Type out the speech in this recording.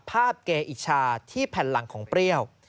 ภาพเกอิชาที่แผ่นหลังของเปรี้ยว